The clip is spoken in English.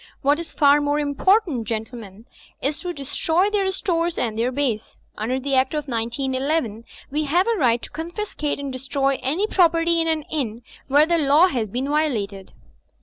What is far more important, gentlemen, is to destroy their stores and their base. Under the Act of 191 1 we have a right to confiscate and destroy any property in an inn where the law has been violated."